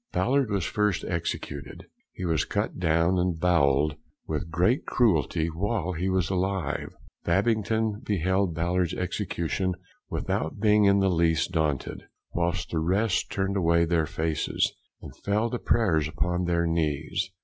Ballard was first executed. He was cut down and bowell'd with great cruelty while he was alive. Babington beheld Ballard's execution without being in the least daunted; whilst the rest turned away their faces, and fell to prayers upon their knees.